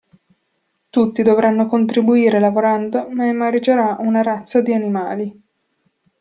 Tutti dovranno contribuire lavorando ma emergerà una razza di animali.